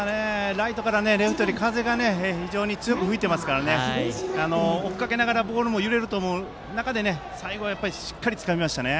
ライトからレフトに風が非常に強く吹いていますから追いかけながらボールも揺れると思う中で最後はしっかりつかみましたね。